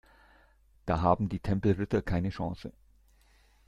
Da haben die Tempelritter keine Chance.